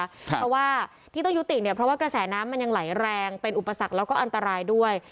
เพราะว่าที่ต้องยุติเนี่ยเพราะว่ากระแสน้ำมันยังไหลแรงเป็นอุปสรรคแล้วก็อันตรายด้วย